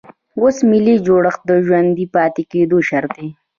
اوس ملي جوړښت د ژوندي پاتې کېدو شرط دی.